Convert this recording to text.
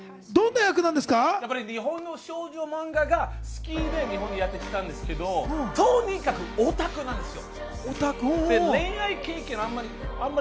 日本の少女漫画が好きで日本にやってきたんですけど、とにかくオタクなんですよ。